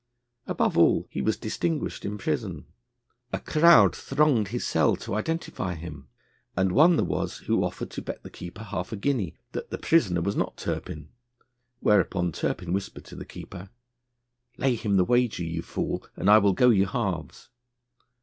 Above all, he was distinguished in prison. A crowd thronged his cell to identify him, and one there was who offered to bet the keeper half a guinea that the prisoner was not Turpin; whereupon Turpin whispered the keeper, 'Lay him the wager, you fool, and I will go you halves.'